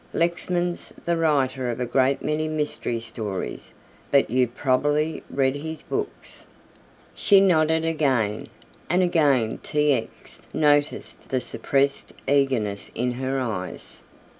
"Lexman's the writer of a great many mystery stories, but you've probably read his books." She nodded again, and again T. X. noticed the suppressed eagerness in her eyes.